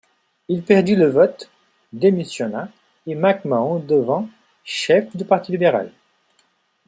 Il perdit le vote, démissionna et McMahon devint chef du parti libéral.